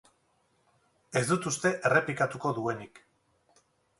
Ez dut uste errepikatuko duenik.